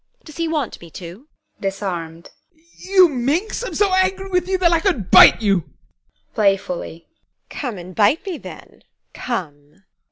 Does he want me to? ADOLPH. [Disarmed] You minx, I'm so angry with you, that I could bite you! TEKLA. [Playfully] Come and bite me then! Come!